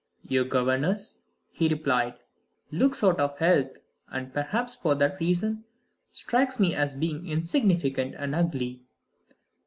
"Your governess," he replied, "looks out of health, and (perhaps for that reason) strikes me as being insignificant and ugly.